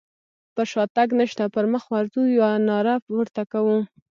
پر شاتګ نشته پر مخ ورځو يوه ناره پورته کوو.